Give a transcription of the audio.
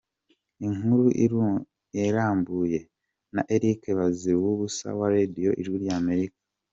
Inkuru irambuye na Eric Bagiruwubusa wa Radio Ijwi ry’Amerika